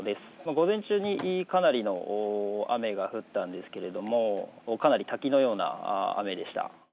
午前中にかなりの雨が降ったんですけれども、かなり滝のような雨でした。